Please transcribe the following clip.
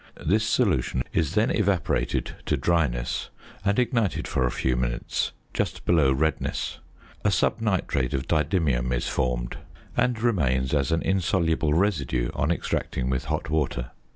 This solution is then evaporated to dryness and ignited, for a few minutes, just below redness. A subnitrate of didymium is formed, and remains as an insoluble residue on extracting with hot water.